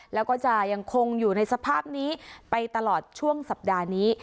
แล้วก็จะยังคงอยู่ในสภาพนี้ไปตลอดช่วงสัปดาห์นี้